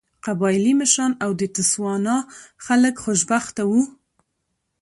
قبایلي مشران او د تسوانا خلک خوشبخته وو.